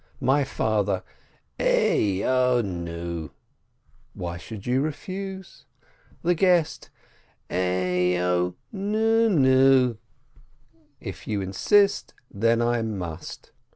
My father: "Ai e o nu?" ("Why should you refuse?") The guest: "Oi o e nu nu !" ("If you insist, then I must.")